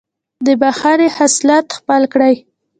د بښنې خصلت خپل کړئ.